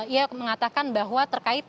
ia mengatakan bahwa terkait